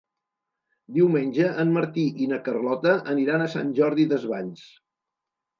Diumenge en Martí i na Carlota aniran a Sant Jordi Desvalls.